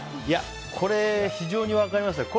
これ、非常に分かりますね。